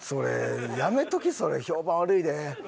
やめときそれ評判悪いで。